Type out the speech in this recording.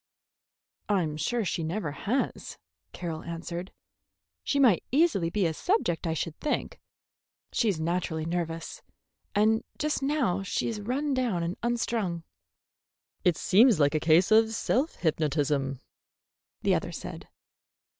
"I'm sure she never has," Carroll answered. "She might easily be a subject, I should think. She's naturally nervous, and just now she is run down and unstrung." "It seems like a case of self hypnotism," the other said.